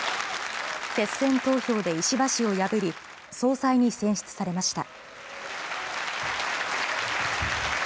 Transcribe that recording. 決選投票で石破氏を破り、総裁に選出されました。